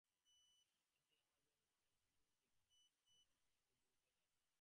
এটি আমার জন্যও অনেক কঠিন ছিলো যখন আমি এতদূরে চলে আসলাম।